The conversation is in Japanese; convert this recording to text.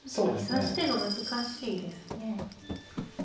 指し手が難しいですね。